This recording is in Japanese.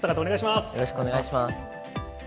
よろしくお願いします。